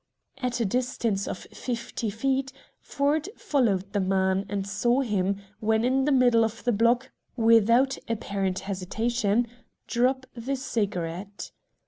At a distance of fifty feet Ford followed the man, and saw him, when in the middle of the block, without apparent hesitation, drop the cigarette.